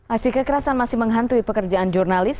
aksi kekerasan masih menghantui pekerjaan jurnalis